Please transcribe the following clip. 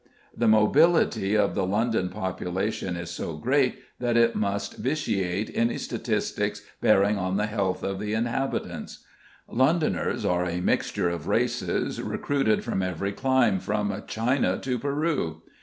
The mobility of the London population is so great that it must vitiate any statistics bearing on the health of the inhabitants. "Londoners" are a mixture of races, recruited from every clime from China to Peru.